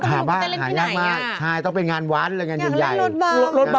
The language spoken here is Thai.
หาบ้านหายง่ายมากใช่ต้องเป็นงานวันเลยแบบนั้นใหญ่อยากเล่นรถบั๊ม